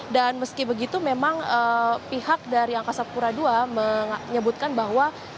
dan meski begitu memang pihak dari angkasa pura ii menyebutkan bahwa